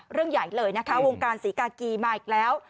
เรื่องใหญ่เลยนะคะวงการศรีกากีมาอีกแล้ว